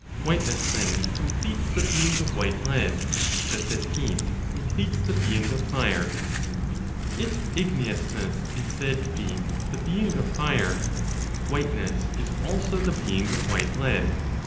Whiteness then completes the being of white lead, just as heat completes the being of fire. If igneousness is said to be the being of fire, whiteness is also the being of white lead.